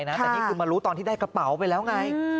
แต่นี่คือมารู้ตอนที่ได้กระเป๋าไปแล้วไง